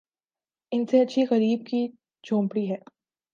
ان سے اچھی غریبِ کی جھونپڑی ہے